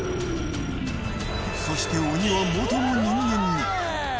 そして鬼はもとの人間に。